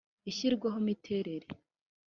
Ishyirwaho imiterere